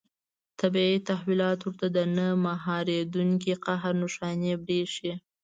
طبیعي تحولات ورته د نه مهارېدونکي قهر نښانې برېښي.